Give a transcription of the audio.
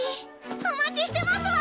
お待ちしてますわ！